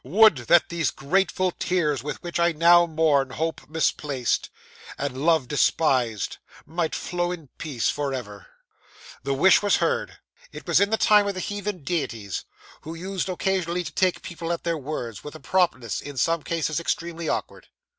Would that these grateful tears with which I now mourn hope misplaced, and love despised, might flow in peace for ever!" 'The wish was heard. It was in the time of the heathen deities, who used occasionally to take people at their words, with a promptness, in some cases, extremely awkward.